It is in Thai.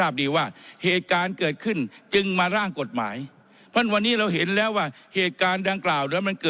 เพราะฉะนั้นวันนี้เราเห็นแล้วว่า